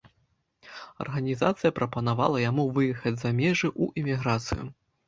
Арганізацыя прапанавала яму выехаць за межы, у эміграцыю.